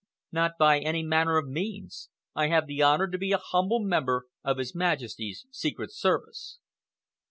"Not by any manner of means. I have the honor to be a humble member of His Majesty's Secret Service."